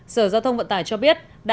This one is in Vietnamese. sở giao thông vận tải cho biết